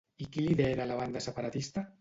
I qui lidera la banda separatista?